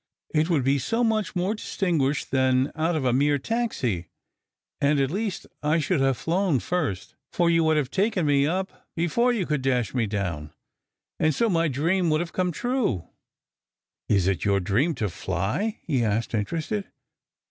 It would be so much more distinguished than out of a mere taxi. And at least, I should have flown first! For you would have to take me up before you could dash me down. And so my dream would have come true." " Is it your dream to fly ?" he asked, interested.